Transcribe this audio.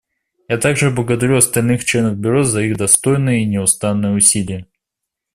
Я также благодарю остальных членов Бюро за их достойные и неустанные усилия.